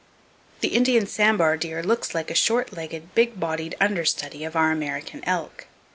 The Indian sambar deer looks like a short legged big bodied understudy of our American elk.